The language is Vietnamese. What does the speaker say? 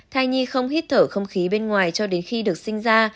thai nhi không hít thở không khí bên ngoài cho đến khi được sinh ra